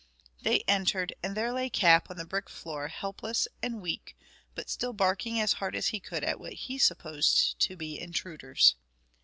They entered, and there lay Cap on the brick floor, helpless and weak, but still barking as hard as he could at what he supposed to be intruders.